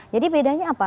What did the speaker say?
jadi bedanya apa